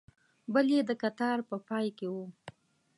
بل یې د کتار په پای کې و.